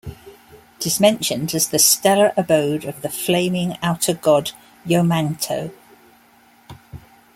It is mentioned as the stellar abode of the flaming Outer God Yomagn'tho.